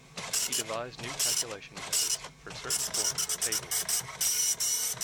He devised new calculation methods for certain forms of tables.